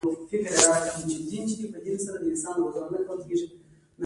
دا هيله د يوې اورنۍ لېوالتيا په بڼه راغله.